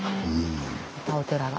またお寺が。